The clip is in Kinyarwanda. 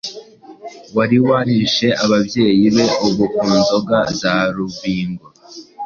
wari warishe ababyeyi be. Ubu ku nzoga za Rubingo